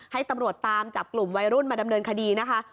ให้ตำรวจตามจับกลุ่มวัยรุ่นมาดำเนินคดีนะคะ